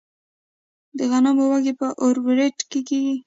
د غنمو وږي په اور وریت کیږي.